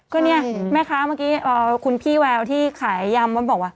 ก็เนี่ยแม่ค้าเมื่อกี้คุณพี่แววที่ขายยำว่าบอกว่า